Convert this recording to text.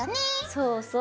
そうそう。